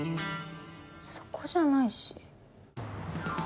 そこじゃないし。